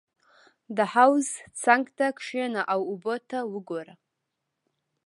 • د حوض څنګ ته کښېنه او اوبه ته وګوره.